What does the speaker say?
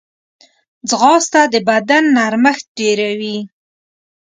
ځغاسته د بدن نرمښت ډېروي